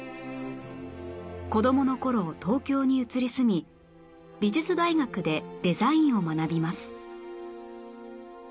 子供の頃東京に移り住み美術大学でデザインを学びます